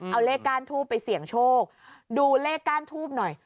เอาเลขก้านทูบไปเสี่ยงโชคดูเลขก้านทูบหน่อย